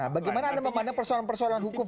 bagaimana anda memandang persoalan persoalan hukum